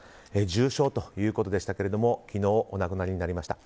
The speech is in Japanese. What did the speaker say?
重症ということでしたけども昨日お亡くなりになりました。